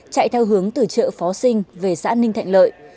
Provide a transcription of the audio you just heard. chạy theo hướng từ chợ phó sinh về xã ninh thạnh lợi